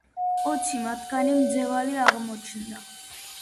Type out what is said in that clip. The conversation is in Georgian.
ოცი მათგანი მძევალი აღმოჩნდა.